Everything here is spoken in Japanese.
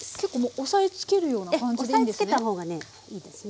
押さえつけた方がねいいですね。